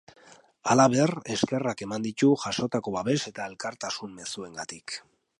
Halaber, eskerrak eman ditu jasotako babes eta elkartasun mezuengatik.